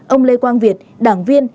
ông lê quang việt đảng viên